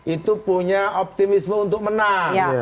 itu punya optimisme untuk menang